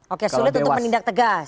oke sulit untuk menindak tegas